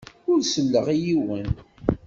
Ur selleɣ i yiwen.